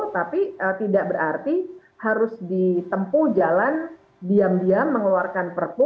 tapi tidak berarti harus ditempuh jalan diam diam mengeluarkan perpu